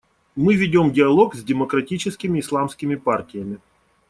Мы ведем диалог с демократическими исламскими партиями.